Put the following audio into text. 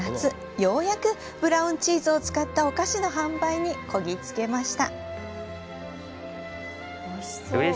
ようやくブラウンチーズを使ったお菓子の販売にこぎ着けました。